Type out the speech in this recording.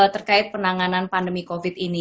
terkait penanganan pandemi covid ini